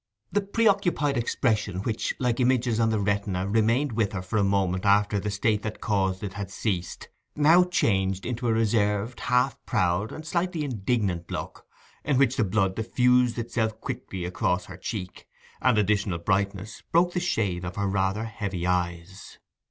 The preoccupied expression which, like images on the retina, remained with her for a moment after the state that caused it had ceased, now changed into a reserved, half proud, and slightly indignant look, in which the blood diffused itself quickly across her cheek, and additional brightness broke the shade of her rather heavy eyes.